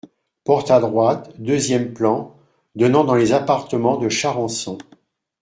Porte à droite, deuxième plan, donnant dans les appartements de Charançon.